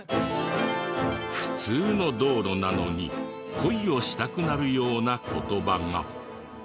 普通の道路なのに恋をしたくなるような言葉が。